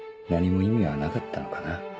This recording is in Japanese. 何も意味はなかったのかな。